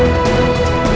masa yang terakhir